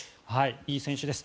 いい選手です。